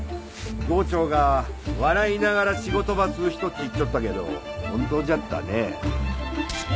郷長が笑いながら仕事ばすっ人ち言っちょったけど本当じゃったね。